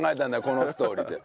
このストーリーって。